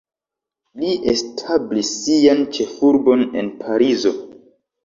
Li establis sian ĉefurbon en Parizo.